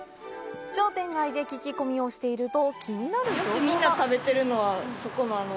商店街で聞き込みをしていると気になる情報が。